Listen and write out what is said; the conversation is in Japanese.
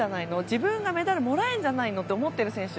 自分がメダルもらえるんじゃないの？と思っている選手